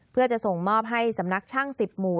เพื่อจะส่งมอบให้สำนักช่าง๑๐หมู่